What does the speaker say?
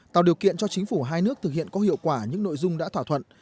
tạo điều kiện cho chính phủ hai nước thực hiện có hiệu quả những nội dung đã thỏa thuận